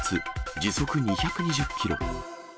時速２２０キロ。